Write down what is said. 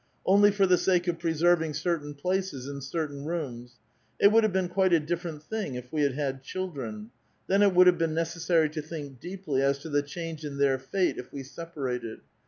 Only for the sake of preserving certain places in certain rooms. It would have been quite a different thing if we had had children ; then it would have been necessary to think deeply as to the change in their fate if we separated.